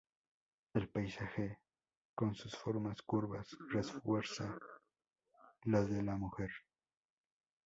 El paisaje con sus formas curvas refuerza las de la mujer.